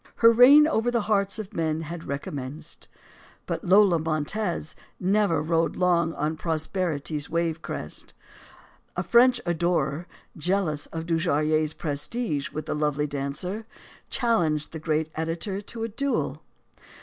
Her reign over the hearts of men had recommenced. But Lola Montez never rode long on prosperity's wave crest. A French adorer, jealous of Dujarrier's prestige with the lovely dancer, challenged the great editor to a duel.